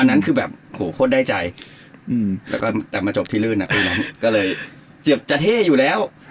อันนั้นคือแบบโหโคตรได้ใจแล้วก็แต่มาจบที่ลื่นก็เลยเจียบจะเท่อยู่แล้ว